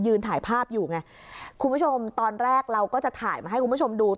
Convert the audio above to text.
ถ่ายภาพอยู่ไงคุณผู้ชมตอนแรกเราก็จะถ่ายมาให้คุณผู้ชมดู